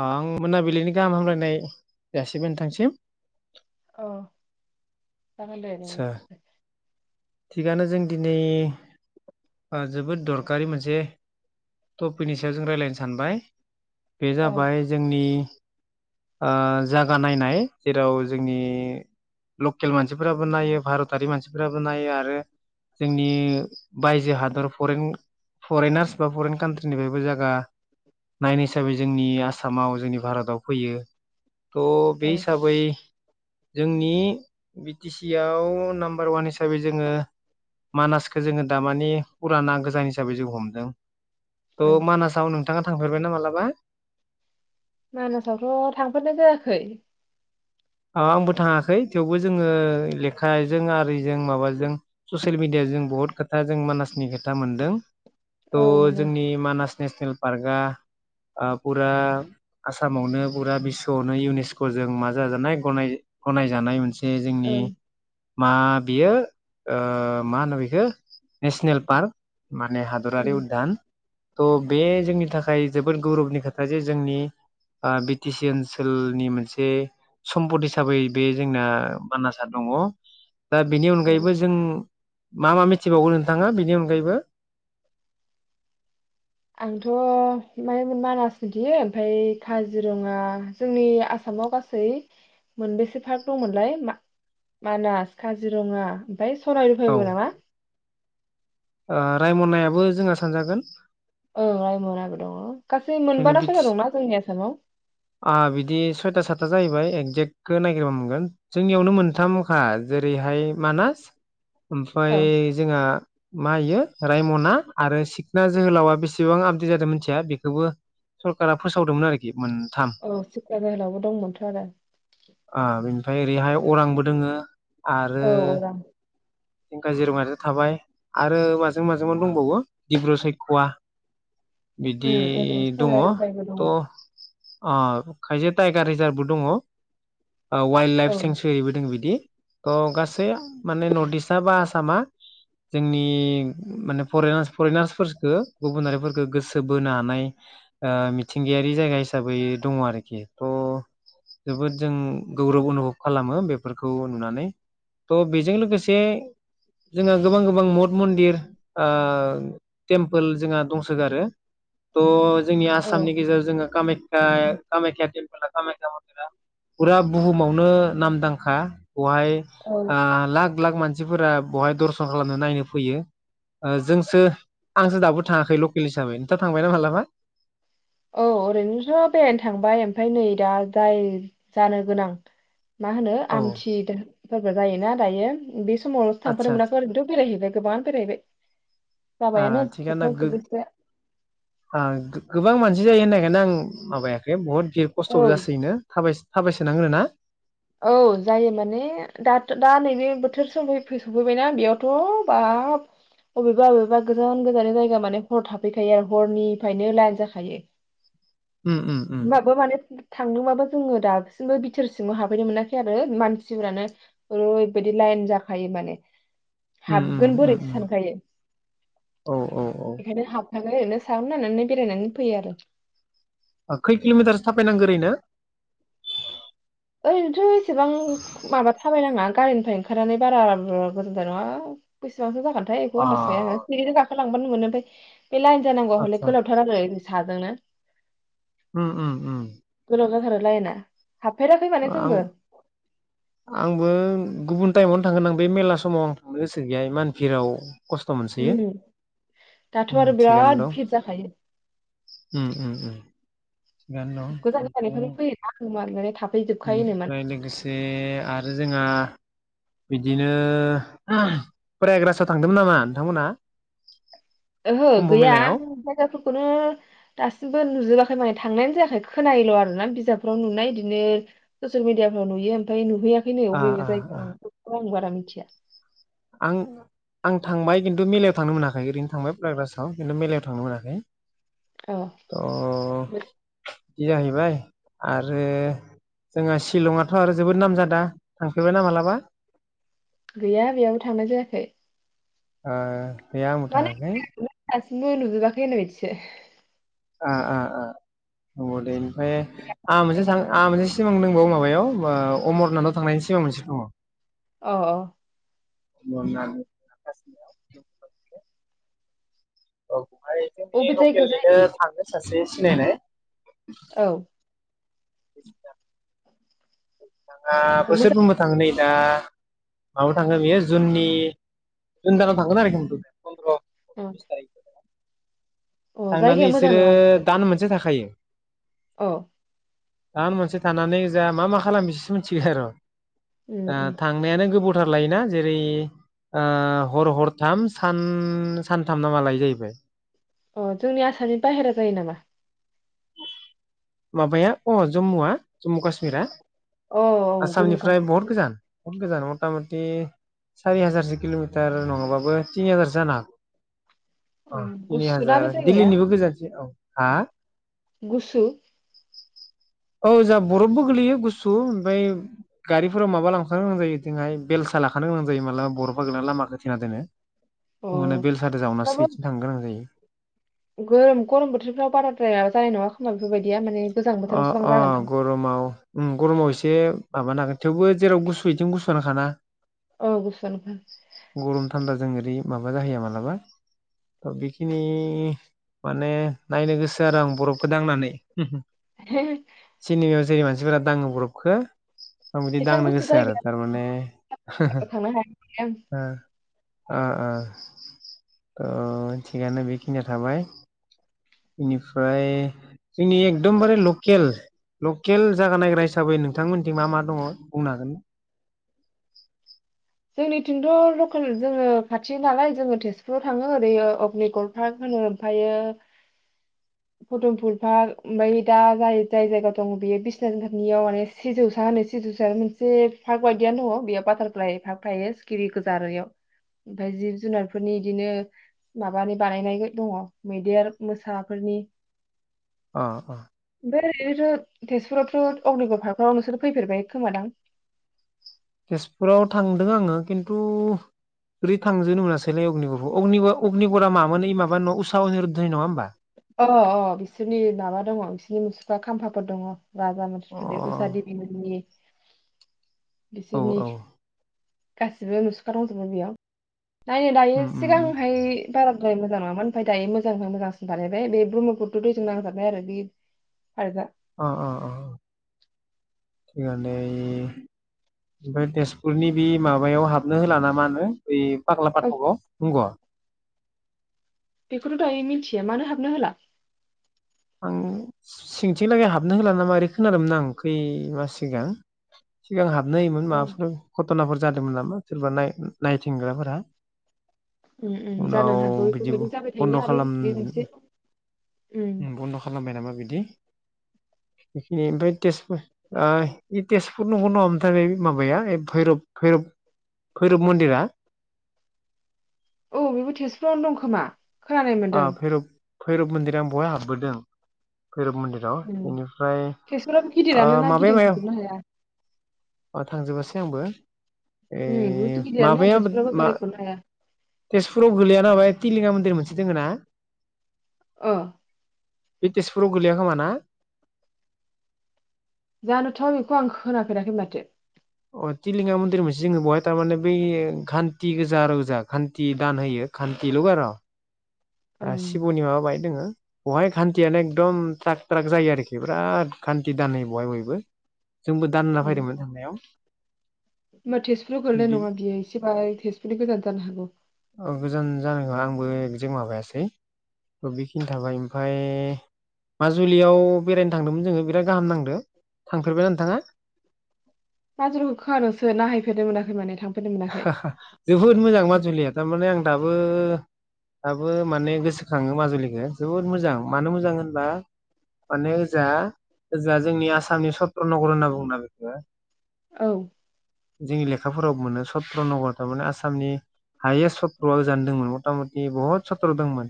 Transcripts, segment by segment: आ आं मोनाबिलिनि गाहाम हामलायनाय जासिबाय नोंथांसिम औ जागोन दे आदसा थिगानो जों दिनै जोबोद दरखारि मोनसे टपिकनि सायाव जों रायलायनो सानबाय। बे औ जाबाय जोंनि ओ जागा नायनाय जेराव जोंनि लकेल मानसिफोराबो नायो भारतारि मानसिफोराबो नायो। आरो जोंनि बायजो हादर फरेन फरेनासफ्राबो कान्ट्रिनिफ्रायबो जागा नायनो हिसाबै जोंनि आसाम आसामाव जोंनि भारताव फैयो थ बे औ हिसाबै जोंनि बि टि सि आव नाम्बार वान हिसाबै हिसाबै जोङो मानासखौ जोङो दामानि फुराना गोजान हिसाबै जों हमदों। थ ओं मानासाव नोंथाङा थां फेरबाय ना मालाबा? मानासावथ थांफेरनाय जायाखै। आंबो थाङाखै थेवबो जोङो लेखाजों आरिजों माबाजों ससियेल मिडियाजों बहुत खोथा जों मानासनि खोथा मोनदों। थ औ मोनो जोंनि मानास नेसनेल पार्कआ फुरा आसामावनो फुरा बिस्वआवनो इउनिस्क जों माजाजानाय गनाय गनायजानाय मोनसे औ मा बियो ओ मा होनो बेखौ नेसनेल पार्क। माने उम हादरारि उदधान थ' बे जोंनि थाखाय जोबोद गौरबनि खोथा जे ओ जोंनि बि टि सि ओनसोलनि मोनसे सम्पद हिसाबै बे जोंना मानासआ दङ। दा बेनि औ अनगायैबो जों मा मा मिथिबावगो नोंथाङा बिनि अनगायैबो? आंथ मान मानास मिथियो ओमफ्राय काजिरङा जोंनि आसामाव गासै मोनबेसे पार्क दंमोनलाय मान मानास काजिरङा ओमफ्राय सनाय औ रुफायबो नामा? ओ रायमनायाबो जोंहा सानजागोन। ओ राइमनाबो दङो। गासै मोनबाना सयथा दंना जोंनि आसामाव? आंहा बिदि सयथा सात जाहैबाय एकजेक्टखौ नायागिरबा मोनगोन जोंनियावनो मोनथामखा जेरैहाय मानास औ ओमफ्राय जोंहा मायो रायमना आरो सिखना जोहोलावा बेसेबां आपडेट जादों मिथिया बेखौबो सरकारा फोसावदोंमोन आरोखि मोन औ सिख्रा जोहोलावबो दंमोनथ आरो। ओमफ्राय ओरैहाय अरांबो दोङो आरो औ अरां काजिरङायाथ' थाबाय आरो माजों माजों मा दंबावो दिब्र सैख'वा बिदि ओरै दङ सनाय रुफायबो दङ थ' अ खायसे टाइगार रिजार्भबो दङ। औ वाइल्ड लाइफ औ सेनसुरिबो दों बिदि। अ गासै माने नर्थ इस्टआ बा आसामा जोंनि माने फरेनार्स फरेनार्सफोरखौ गुबुनारिफोरखौ गोसो बोनो हानाय ओ मिथिंगायारि जायगा हिस साबै दङ आरोखि थ' जोबोद जों गौरब अनुभब खालामो बेफोरखौ नुनानै। थ' बेजों लोगोसे जोंहा गोबां गोबां मद मन्दिर ओ टेमपोल जोंहा दंसोगारो थ' जोंनि औ आसामनि गेजेराव जोङो कामाय ख्या कामायख्या टेमपोला कामायख्या मन्दिरा फुरा बुहुमावनो नामदांखा बहाय औ ओ लाख लाख मानसि सिफोरा बहाय दर्शन खालामनो नायनो फैयो जोंसो आंसो दाबो थाङाखै लकेल हिसाबै नोंथां थांबाय ना मालाबा? औ ओरैनोथ' बेरायनो थांबाय ओमफाय नै दा जाय जानो गोनां मा होनो औ आमथि दोहोरोम [unintelligible] जायो ना दायो बि समावल‌'सो आदसा थांफानोनो मोनाखै ओरथ' बेरायहैबाय गोबांनो बेरायहैबाय आ जाबायानो थिगानो खेबथाम गो खेब्रैसोया। बिदि जायो होननायखायनो आं माबायाखै बहुद भिर खस्थ'बो औ जासोयो नो थाबाय थाबायसोनांगोनो ना? औ जायो माने दा दा नैबे बोथोर सफै सफैबायना बेयावथ' बाब अबेबा अबेबा गोजान गोजान जायगा माने हर थाफैखायो आरो हरनिफ्रायनो लाइन जाखायो। उम उम उम होनबाबो माने फै थांदोंबाबो जोङो दासिमबो बिथोरसिम हाब नो मोनाखै आरो मानसिफोरानो ओरैबायदि लाइन जाखायो माने। उम उम हाबगोन उम बोरैथो उम सानखायो औ औ औ बेखायनो हाब बा ओरैनो सायावनो नायनानै बेरायनानै फैयो आरो। ओ खै किलमिटारसो थाबायनांगौ ओरैनो? ओरैनोथ' बेसेबां खु माबा थाबायनाङा। गारिनिफ्राय ओंखारनानै बारा गोजोनथार नङा बेसेबांसो जागोन बेखौ अ आन्दास गैया आङो। लांबानो मोनो ओमफाय बे लाइन जानांगौवा हले आदसा गोलावथार आरो साजोंनो उम उम उम गोलाव जाथारो लाइना हाबफेराखै माने आं जोंबो आंबो गुबुन टाइमावनो थांगोन आं बे मेला समाव आं थांनो गोसो गैया इमान भिराव। खस्थ मोनसोयो उम दाथ' उम आरो थिगानो बिराद दं भिर जाखायो उम उम उम। गोजान थिगानो दं गोजाननिफ्रायबो ओमफ्राय फैयोना [unintelligible] [unintelligible] माने बेनिफ्राय लोगोसे आरो जोंहा बिदिनो पोरायग्रासआव थांदोंमोन नामा नोंथांमोनहा? ओहो कुम्भ गैया मेलायाव आं जायगाफोरखौनो दासिमबो नुजोबाखै माने थांनायानो जायाखै खोनायोल आरोना बिजाबफोराव नुनाय इदिनो ससियेल मिडियाफ्राव नुयो ओमफ्राय नुहैयाखै। फैनायाव आ बेबो आ आ जायगायाव औ [unintelligible] बारा मिथिया। आं आं थांबाय खिन्थु मेलायाव थांनो मोनाखै ओरैनो थांबाय पाइग्रासाव खिन्थु मेलायाव थांनो मोनाखै। औ। थ' बिदि जाहैबाय आरो जोंहा सिलंआथ आरो जोबोद नाम जादा थांफेरबायना मालाबा? गैया बेयावबो थांनाय जायाखै। ओह गैया आंबो माने थाङाखै। [unintelligible] नुजोबाखै होन्नाय बादिसो ओ ओ ओ [unintelligible] ओमफाय आंहा मोनसे एबा थां आंहा मोनसे सिमां दोंबावो माबायाव अमरनाथआव थांनायनि सिमां मोनसे दङ। अह अह। याव [unintelligible] बेवहाय जोंनि अबे जायगायाव जायो लकेलनिनो बेयो थांङो सासे सिनायनाय। औ। [unintelligible] बिथाङा मोजां बोसोरफ्रबो थाङो नै। दा माबायाव थांगोन बेयो जुननि जुन दानाव थांगोन आरोखि मथुथे फन्द्र, अ बिस तारिक फोराव। अ जायगाया थांनानै मोजां बिसोरो नङा बेफोर। दान मोनसे थाखायो। अ। दान मोनसे थानानै जोहा मा मा खालाम बिसोरसो मिथिग आरो। उम ओ उम थांनायानो गोबाव थार लायोना जेरै ओ हर हरथाम, सान सानथाम ना मा लायो जाहैबाय। अ, जोंनि आसामनि बायहेरा जायो नामा? माबाया अ, जम्मुआ जम्मु काश्मिरा? औ औ जम्मु काश्मीर। बहुद गोजान। मथा मथि सारि हाजारसो किल'मिटार नङाबाबो थिनि हाजारसो जानो हागौ। अ, तिनि गुसु ना बे हाजार। जायगाया दिल्लीनिबो गोजानसिन औ। हा? गुसु? औ जाहा बरफबो गोलैयो गुसु‌। ओमफ्राय गारिफोराव माबा लांखानो गोनां जायो इजोंहा बेलसा लाखानो गोनां जायो मालाबा बरफा गोलैना लामाखौ होथेना दोनो। ओमबाना अ बेलसादो बाबो जावनासो इथिं थांनो गोनां जायो। गोरोम गरम बोथोरफ्राव बाराद्राया जानाय नङा खोमा बेफोरबायदिया माने गोजां अ बोथोरावसो बां अ जागोन दां गरमाव, उम गरमाव एसे माबानो हागोन। थेवबो जेराव गुसु इथिं गुसुवानो खाना। औ गुसुआनो गरम थान्दाजों ओरै माबा जाहैयो मालाबा। थ बेखिनि माने नायनो गोसो आरो आं बरफखौ दांनानै। सिनेमायाव जेरै मानसि फोरा दाङो बरफखो आं बिदि एसेबां दांनो गुसु गोसो आरो। जायगायाव थारमाने थांनो हायाखै आं ओ ओ ओ थिगानो बेखिनिया थाबाय, इनिफ्राय जोंनि ए एकदमबारे लकेल, लकेल जागा नायग्रा हिसाबै नोंथांमोनथिं मा मा दङ बुंनो हागोन? जोंनिथिंथ' लकेल जोङो खाथि नालाय जोङो तेजपुराव थाङो ओरै अग्निगर पार्क होनो ओमफायो पदमपुल पार्क ओमफ्राय दा जाय जाय जायगायाव दङ' बेयो बिस्वानादगादनियाव माने सिजौसा होनो सिजौसा मोनसे पार्क बायदियानो दङ। बेयो बाटारफ्लाय पार्क ओमफायो सिखिरि गोजा आरो एयाव। ओमफ्राय जिब जुनारफोरनि इदिनो माबानि बानायनाय दङ' मैदेर, मोसाफोरनि अ अ। ओरैनोथ' तेजपुरावथ' अग्निगर पार्कगाव नोंसोर फैफेरबाय खोमा दां? तेजपुराव थांदों आङो खिन्थु ओरै थांजोबनो मोनासैलाय अगनिगरखो अगनिगर अगनिगरा मामोन ओइ माबा न' उषा अनिरुध्रनि नङा होनबा? अ अ बिसोरनि माबा दङ' बिसोरनि मुसुखा खाम्फाफोर दङ'। राजा अ मानसिफोरनि उषा देबि मोननि औ बिसोरनि। औ गासिबो मुसुखा दंजोबोमोन बेयाव। नायनो दायो उम उम सिगांहाय बारा द्राय मोजां नङामोन ओमफाय दायो मोजांनिफ्राय मोजांसिन बानायबाय बेे ब्रम्हपुथ्र दैजों नांजाबनाय आरो पार्कआ अ अ अ थिगानो दे ओइ ओमफ्राय तेजपुरनि बे माबायाव हाबनो होला ना मा नो ओइ फाग्ला औ फाथ'गाव नंग'? बेखौथ' दायो मिथिया मानो हाबनो होला? आं सिंथिंलागै हाबनो होला नामा ओरै खोनादोंमोन आं खै मास सिगां सिगां हाब होयोमोन औ माबाफोर घटनाफोर जादोंमोन नामा? सोरबा नाय-नायथिंग्राफोरा। उम उम जानो हागौ बेफोरबायदि जाबाय थायोना बन्द' आरो बे मोनसे उम उम बन्द खालामबाय नामा बिदि। बेखि ओमफ्राय तेजपुर ओ इ तेजपुर नंगौ नङामोन्थाय बे माबाया भैरब भैरब भैरब मन्दिरा। औ बेबो तेजपुरावनो दं खोमा। खोनानाय आ मोन्दों भैरब भैरब मन्दिरा बहाय हाब बोदों। भैरब मन्दिराव उम। बेनिफ्राय तेजपुराबो गिदिरानो ओ ना माबाया [unintelligible] गिदिंख'जोबनो हाया ओ थांजोबासै आंबो। ए उम बुहुद गिदिरानो माबायाबोद तेजपुराबो मा बेरायख'नो हाया तेजपुराव गोलैया ना माबाया तिलिङा दिर मोनसे दङो ना। अ। बे तेजपुराव गोलैया खोमा ना? जानोथ बेखौ आं खोनाफेराखै माथो। अ तिलिङा मन्दिर मोनसे दङो बेवहाय थारमाने बै खान्थि गोजा आरो गोजा खान्थि दान होयो खान्थिल आर। ओ ओं सिबुनि माबा बाहाय दोङो। बहाय खान्थियानो एकदम थ्राग थ्राग जायो आरोखि बिराद खान्थि दान होयो बहाय बयबो। जोंबो दान होना उम। फैदोंमोन थांनायाव। होमबा तेजपुराव गोलैनाय बि नङा बियो एसे बाहाय तेजपुरनि गोजान जानो हागौ। अयेक जों माबायासै बेखिनि थाबाय ओमफाय माजुलियाव बेरायनो थांदोंमोन जोङो बिराद गाहाम नांदो थांफेरबाय नोंथाङा? माजुलिखौ खोनादोंसो नाहैफेरनो मोनाखै माने थां आहाहा जोबोद मोजां माजुलिया थारमाने आं दाब बो दाबो माने गोसोखाङो माजुलिखौ जोबोद मोजां मानो मोजां होनबा माने ओजाहा ओजाहा जोंनि आसामनि सत्र नगर होनना बुङोना बेखौ। औ। जोंनि लेखाफोरावबो मोनो। सत्र नगर थारमाने आसामनि हायेस्ट सत्रआ जानदोंंमोन मथा मथि बहुत सत्र दंमोन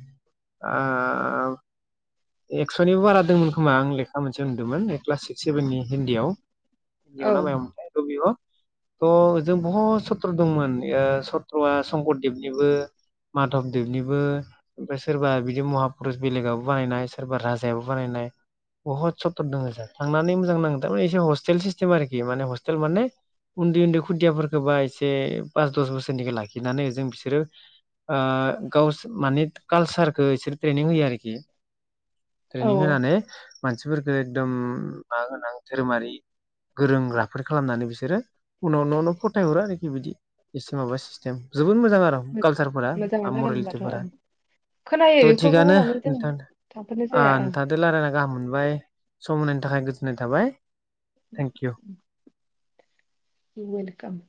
ओ एक्सनिबो बारा दंमोन खोमा आं लेखा मोनसेआव नुदोंमोन ऐ क्लास सिक्स सेभेननि हिन्दीयाव। हिन्दी आव औ ना मायाव मोन्थाय [unintelligible] त जों बहत स त्र दंमोन ए सत्रा संकरदेब निबो माधबदेबनिबो ओमफ्राय सोरबा बिदि महा फुरुस बेलेगाबो बानायनाय सोरबा राजायाबो बानायनाय बहुत सत्र दं जा थांनानै मोजां नांगो थारमाने एसे हस्टेल सिस्टेम आरखि माने हस्टेल माने उन्दै उन्दै खुदियाफोरखौ बाय सि एसे पास दस बोसोरनिखौ लाखिनानै ओजों बिसोरो ओ गावस माने काल्शारखौ एसे ट्रेनिं होयो आरोखि। औ ट्रेनिं होनानै मानसिफोरखौ एकदम मा होना धोरोमारि गोरों गोराफोर खालामनानै बिसोरो उनाव न' न' फथायहरो आरो। [unintelligible] एसे माबा सिसतेम जुग जोबोद मोजां आरो मो- कालसारफोरा ओ मोजाङानो जागोन होनबाथ' औ मरेलिटिफोरा खोनायो थ' बेफोरखौबो थिगनो माने जों नोंथां थांफेरनाय ओ जाया औ नोंथंदो रायलायना गाहाम मोनबाय सम होनाय थाखाय गोजोन्नाय थाबाय। Thank you. इव वेलकाम।